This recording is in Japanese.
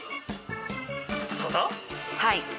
はい。